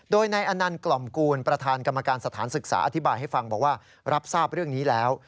โดยนายอนันต์กล่อมกูลประธานกรรมการสถานศึกษาอธิบายให้ฟังบอกว่ารับทราบเรื่องนี้แล้ว